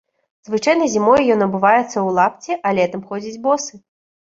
Звычайна зімой ён абуваецца ў лапці, а летам ходзіць босы.